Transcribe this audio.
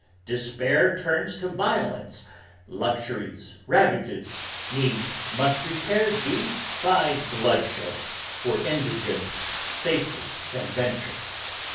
Despair turns to violence, luxury's ravages needs must Repaired be by bloodshed, for indigence safely can venture.